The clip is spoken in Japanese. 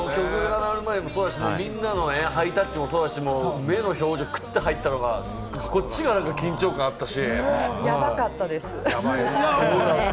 曲が鳴る前もそうだし、みんなのハイタッチもそうだし、目の表情は、クッと入ったのがこっちが緊張感あったし。